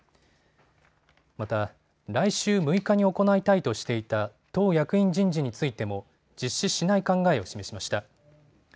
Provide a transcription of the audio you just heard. また、来週６日に行いたいとしていた党役員人事についても実施しない考えを示しました。